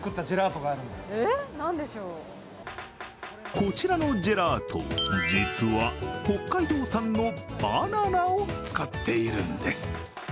こちらのジェラート、実は北海道産のバナナを使っているんです。